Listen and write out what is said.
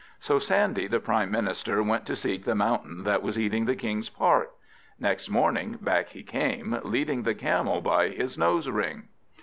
So Sandy the Prime Minister went to seek the mountain that was eating the King's park. Next morning, back he came, leading the Camel by his nose string.